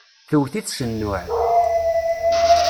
Tewwet-it s nnuɛ.